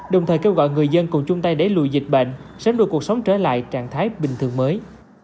đồng thời kêu gọi người dân cùng chung tay đẩy lùi dịch bệnh sớm đưa cuộc sống trở lại trạng thái bình thường mới